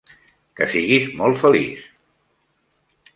Que siguis molt feliç!